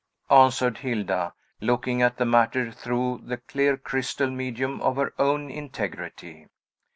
answered Hilda, looking at the matter through the clear crystal medium of her own integrity.